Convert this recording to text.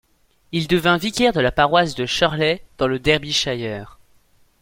Il devint vicaire de la paroisse de Shirley, dans le Derbyshire.